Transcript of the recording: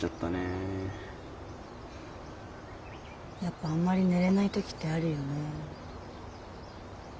やっぱあんまり寝れない時ってあるよね。